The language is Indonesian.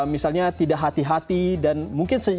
misalnya tidak hati hati dan mungkin